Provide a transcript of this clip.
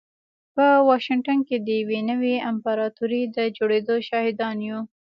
په واشنګټن کې د يوې نوې امپراتورۍ د جوړېدو شاهدان يو.